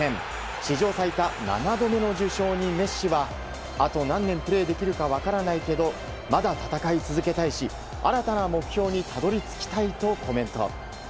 史上最多７度目の受賞にメッシはあと何年プレーできるか分からないけれどまだ戦い続けたいし新たな目標にたどり着きたいとコメント。